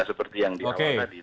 seperti yang di awal tadi